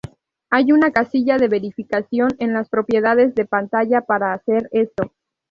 Hay una casilla de verificación en las propiedades de pantalla para hacer esto.